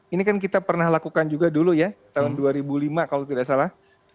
ini kan kita pernah lakukan juga dulu ya tahun dua ribu lima kalau tidak salah